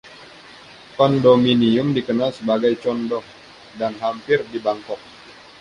Kondominium dikenal sebagai "Con-doh" dan hampir di Bangkok.